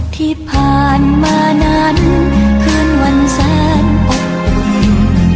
ที่ผ่านมานั้นคืนวันแสนอบอุ่น